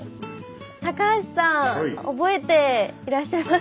橋さん覚えていらっしゃいますか？